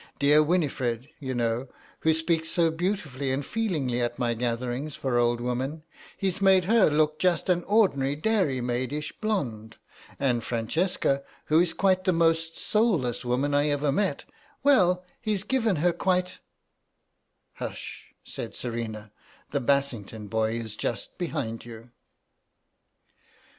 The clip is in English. Dear Winifred, you know, who speaks so beautifully and feelingly at my gatherings for old women, he's made her look just an ordinary dairy maidish blonde; and Francesca, who is quite the most soulless woman I've ever met, well, he's given her quite—" "Hush," said Serena, "the Bassington boy is just behind you."